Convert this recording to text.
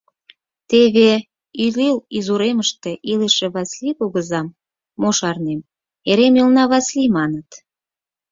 Теве ӱлыл изуремыште илыше Васлий кугызам, мо шарнем, эре Мелна Васлий маныт.